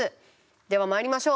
ではまいりましょう。